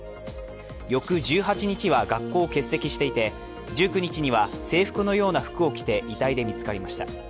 翌１８日は学校を欠席していて１９日には制服のような服を着て遺体で見つかりました。